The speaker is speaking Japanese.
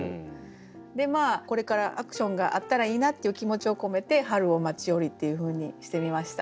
これからアクションがあったらいいなっていう気持ちを込めて「春を待ちおり」っていうふうにしてみました。